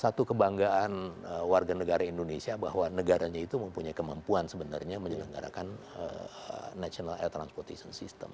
satu kebanggaan warga negara indonesia bahwa negaranya itu mempunyai kemampuan sebenarnya menyelenggarakan national air transportation system